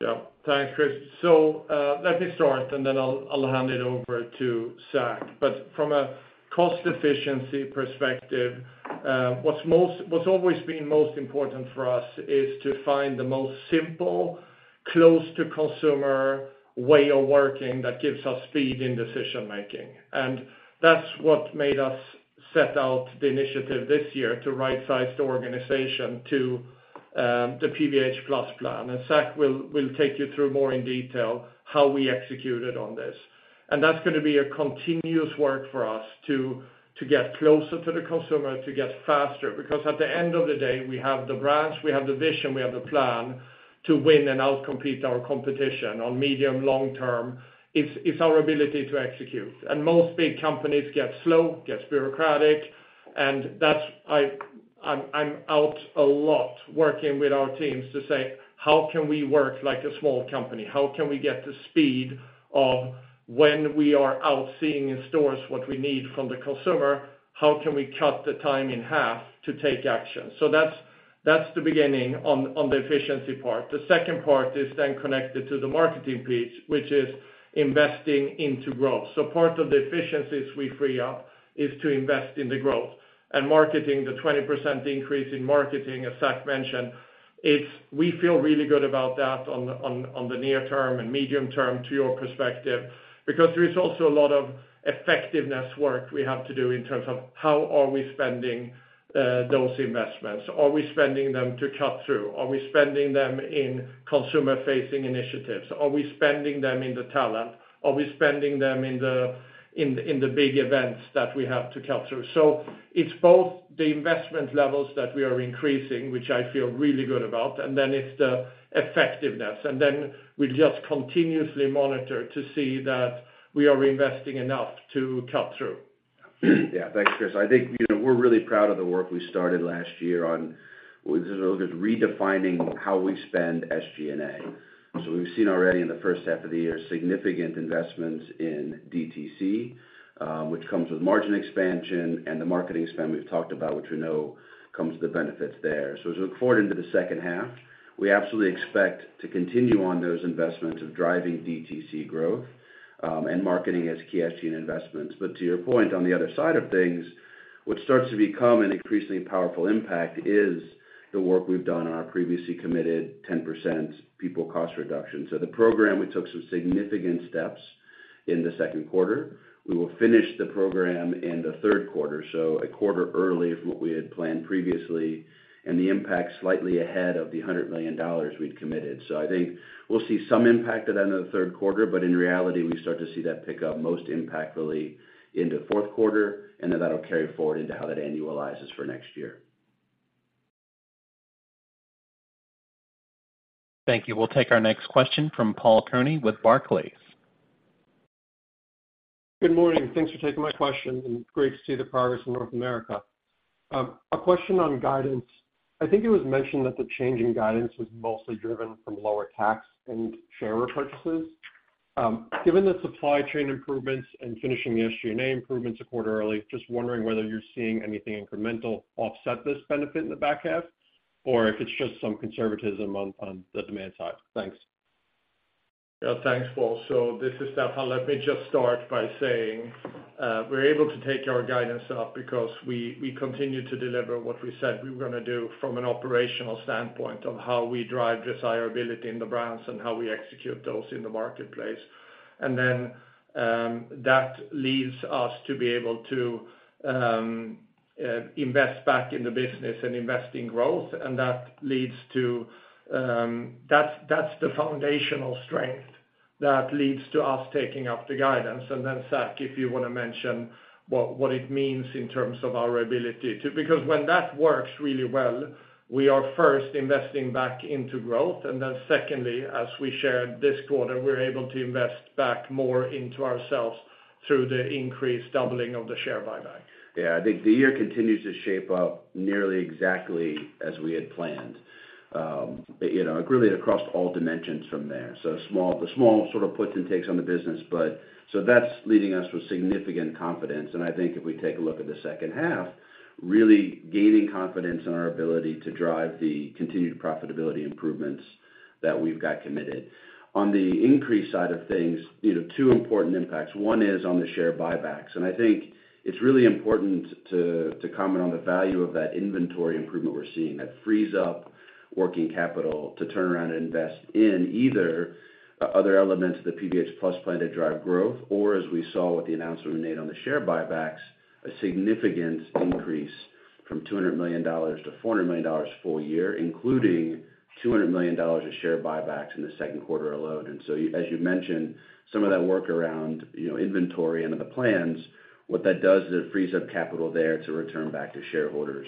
Yeah. Thanks, Chris. So, let me start, and then I'll hand it over to Zac. But from a cost efficiency perspective, what's most important for us is to find the most simple, close to consumer way of working that gives us speed in decision making. And that's what made us set out the initiative this year to right-size the organization to the PVH+ Plan. And Zac will take you through more in detail how we executed on this. And that's gonna be a continuous work for us to get closer to the consumer, to get faster. Because at the end of the day, we have the brands, we have the vision, we have the plan to win and outcompete our competition on medium- to long-term. It's our ability to execute. Most big companies get slow, get bureaucratic, and that's. I'm out a lot working with our teams to say: How can we work like a small company? How can we get the speed of when we are out seeing in stores what we need from the consumer, how can we cut the time in half to take action? So that's the beginning on the efficiency part. The second part is then connected to the marketing piece, which is investing into growth. So part of the efficiencies we free up is to invest in the growth. Marketing, the 20% increase in marketing, as Zac mentioned, it's—we feel really good about that on the near term and medium term, to your perspective, because there is also a lot of effectiveness work we have to do in terms of how are we spending those investments? Are we spending them to cut through? Are we spending them in consumer-facing initiatives? Are we spending them in the talent? Are we spending them in the big events that we have to cut through? So it's both the investment levels that we are increasing, which I feel really good about, and then it's the effectiveness. And then we just continuously monitor to see that we are investing enough to cut through. Yeah. Thanks, Chris. I think, you know, we're really proud of the work we started last year on... redefining how we spend SG&A. So we've seen already in the first half of the year, significant investments in DTC, which comes with margin expansion and the marketing spend we've talked about, which we know comes with the benefits there. So as we look forward into the second half, we absolutely expect to continue on those investments of driving DTC growth, and marketing as key SG&A investments. But to your point, on the other side of things, what starts to become an increasingly powerful impact is the work we've done on our previously committed 10% people cost reduction. So the program, we took some significant steps in the second quarter. We will finish the program in the third quarter, so a quarter early of what we had planned previously, and the impact slightly ahead of the $100 million we'd committed. So I think we'll see some impact at the end of the third quarter, but in reality, we start to see that pick up most impactfully into fourth quarter, and then that'll carry forward into how that annualizes for next year. Thank you. We'll take our next question from Paul Lejuez with Barclays. Good morning. Thanks for taking my question, and great to see the progress in North America. A question on guidance: I think it was mentioned that the change in guidance was mostly driven from lower tax and share repurchases. Given the supply chain improvements and finishing the SG&A improvements a quarter early, just wondering whether you're seeing anything incremental offset this benefit in the back half, or if it's just some conservatism on the demand side. Thanks. Yeah. Thanks, Paul. So this is Stefan. Let me just start by saying, we're able to take our guidance up because we, we continue to deliver what we said we were gonna do from an operational standpoint of how we drive desirability in the brands and how we execute those in the marketplace. And then, that leaves us to be able to, invest back in the business and invest in growth, and that leads to, that's, that's the foundational strength that leads to us taking up the guidance. And then, Zac, if you want to mention what, what it means in terms of our ability to—because when that works really well, we are first investing back into growth, and then secondly, as we shared this quarter, we're able to invest back more into ourselves through the increased doubling of the share buyback. Yeah, I think the year continues to shape up nearly exactly as we had planned. You know, really across all dimensions from there. So, the small sort of puts and takes on the business, but that's leaving us with significant confidence. And I think if we take a look at the second half, really gaining confidence in our ability to drive the continued profitability improvements that we've got committed. On the increase side of things, you know, two important impacts. One is on the share buybacks, and I think it's really important to comment on the value of that inventory improvement we're seeing. That frees up working capital to turn around and invest in either other elements of the PVH+ Plan to drive growth, or as we saw with the announcement we made on the share buybacks, a significant increase from $200 million to $400 million full year, including $200 million of share buybacks in the second quarter alone. So as you mentioned, some of that work around, you know, inventory and of the plans, what that does is it frees up capital there to return back to shareholders.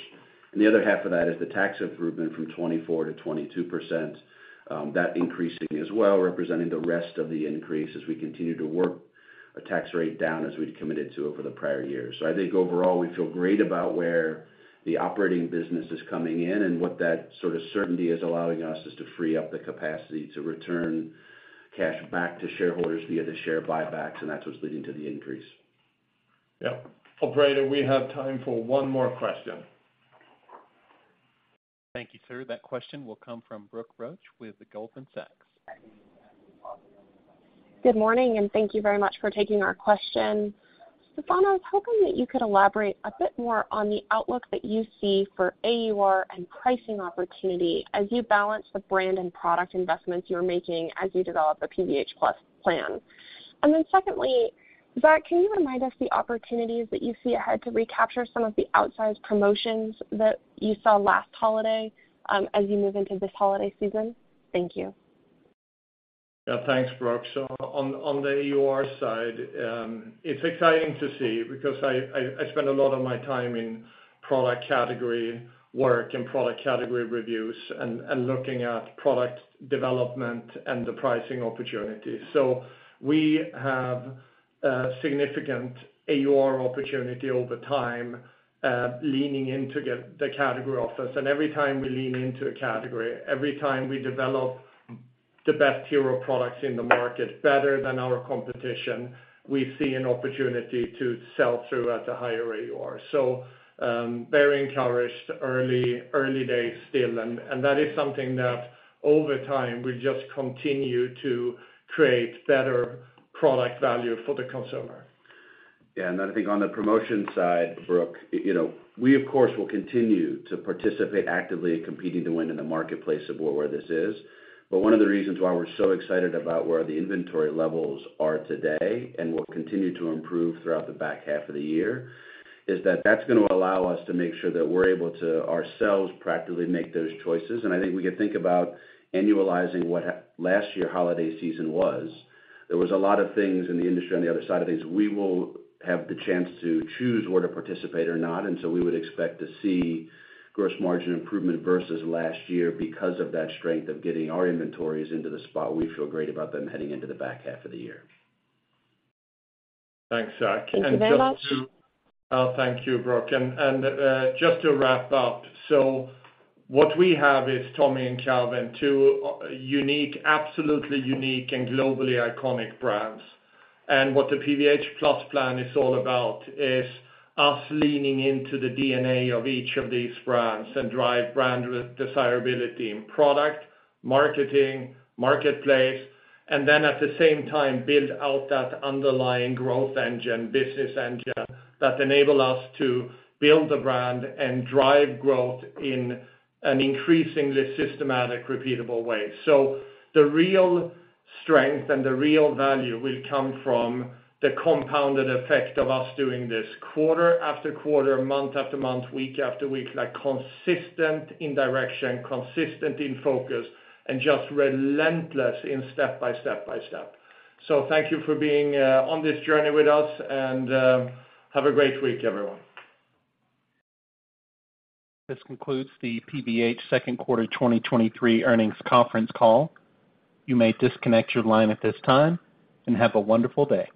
The other half of that is the tax improvement from 24% to 22%, that increasing as well, representing the rest of the increase as we continue to work our tax rate down as we'd committed to over the prior years. So I think overall, we feel great about where the operating business is coming in and what that sort of certainty is allowing us is to free up the capacity to return cash back to shareholders via the share buybacks, and that's what's leading to the increase. Yep. Operator, we have time for one more question. Thank you, sir. That question will come from Brooke Roach with the Goldman Sachs. Good morning, and thank you very much for taking our question. Stefan, I was hoping that you could elaborate a bit more on the outlook that you see for AUR and pricing opportunity as you balance the brand and product investments you are making as you develop a PVH+ Plan. And then secondly, Zac, can you remind us the opportunities that you see ahead to recapture some of the outsized promotions that you saw last holiday, as you move into this holiday season? Thank you. Yeah, thanks, Brooke. So on the AUR side, it's exciting to see because I spend a lot of my time in product category work and product category reviews and looking at product development and the pricing opportunity. So we have significant AUR opportunity over time, leaning into the category office. And every time we lean into a category, every time we develop the best hero products in the market, better than our competition, we see an opportunity to sell through at a higher AUR. So, very encouraged, early days still, and that is something that over time, we just continue to create better product value for the consumer. Yeah, and then I think on the promotion side, Brooke, you know, we, of course, will continue to participate actively in competing to win in the marketplace of where this is. But one of the reasons why we're so excited about where the inventory levels are today and will continue to improve throughout the back half of the year is that that's gonna allow us to make sure that we're able to, ourselves, practically make those choices. And I think we can think about annualizing what last year holiday season was. There was a lot of things in the industry on the other side of this. We will have the chance to choose where to participate or not, and so we would expect to see gross margin improvement versus last year because of that strength of getting our inventories into the spot. We feel great about them heading into the back half of the year. Thanks, Zac. Thank you very much. Just to thank you, Brooke. Just to wrap up, so what we have is Tommy and Calvin, two unique, absolutely unique, and globally iconic brands. What the PVH+ Plan is all about is us leaning into the DNA of each of these brands and drive brand desirability in product, marketing, marketplace, and then, at the same time, build out that underlying growth engine, business engine, that enable us to build the brand and drive growth in an increasingly systematic, repeatable way. So the real strength and the real value will come from the compounded effect of us doing this quarter after quarter, month after month, week after week, like, consistent in direction, consistent in focus, and just relentless in step by step by step. So thank you for being on this journey with us, and have a great week, everyone. This concludes the PVH second quarter 2023 earnings conference call. You may disconnect your line at this time, and have a wonderful day.